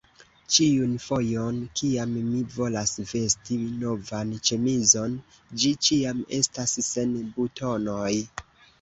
ĉiun fojon, kiam mi volas vesti novan ĉemizon, ĝi ĉiam estas sen butonoj!